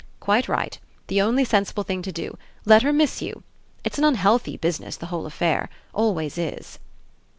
"Quite right. The only sensible thing to do. Let her miss you. It's an unhealthy busi ness, the whole affair. Always is."